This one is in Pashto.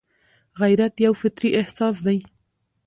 غیرت یو فطري احساس دی